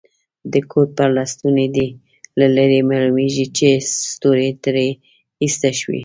د کوټ پر لستوڼي دي له لرې معلومیږي چي ستوري ترې ایسته شوي.